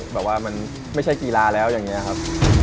แบบว่ามันไม่ใช่กีฬาแล้วอย่างนี้ครับ